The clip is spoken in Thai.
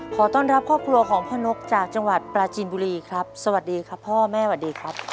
ขอต้อนรับครอบครัวของพ่อนกจากจังหวัดปราจีนบุรีครับสวัสดีครับพ่อแม่สวัสดีครับ